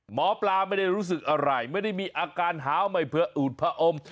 หมอปลาไม่ได้รู้สึกอะไรไม่ได้มีอาการหาวใหม่เผื่ออูดผอม